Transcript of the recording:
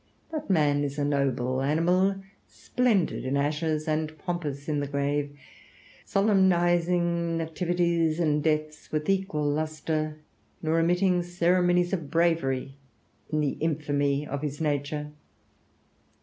But man is a noble animal, splendid in ashes, and pompous in the grave, solemnizing nativities and deaths with equal lustre, nor omitting ceremonies of bravery in the infamy of his nature....